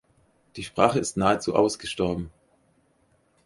Die Sprache ist nahezu ausgestorben.